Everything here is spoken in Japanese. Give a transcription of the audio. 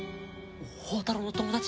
宝太郎の友達？